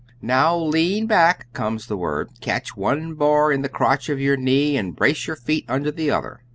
"Now lean back," comes the word; "catch one bar in the crotch of your knees and brace your feet under the other.